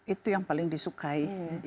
itu yang paling disukai